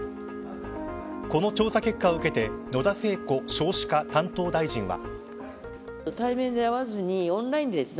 この調査結果を受けて野田聖子少子化担当大臣は。